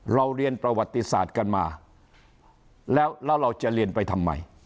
เรียนประวัติศาสตร์กันมาแล้วแล้วเราจะเรียนไปทำไม